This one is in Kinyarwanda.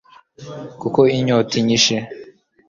kuko inyota inyishe